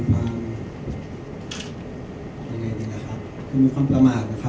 มีความประมาท